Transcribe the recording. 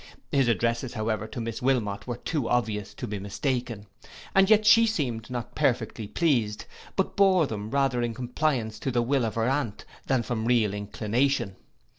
His addresses, however, to Miss Wilmot, were too obvious to be mistaken; and yet she seemed not perfectly pleased, but bore them rather in compliance to the will of her aunt, than from real inclination.